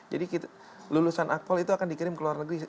jadi lulusan akpol itu akan dikirim ke luar negeri